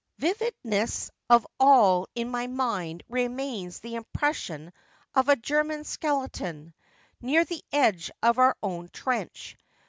Vividest of all in my mind re mains the impression of a German skeleton, near the edge of our own trench.